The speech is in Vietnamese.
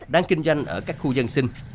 đang kinh doanh ở các khu dân sinh